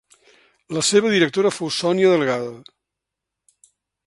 La seva directora fou Sonia Delgado.